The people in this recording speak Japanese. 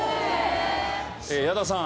矢田さん。